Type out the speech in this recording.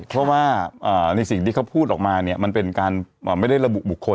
เพราะว่าในสิ่งที่เขาพูดออกมาเนี่ยมันเป็นการไม่ได้ระบุบุคคล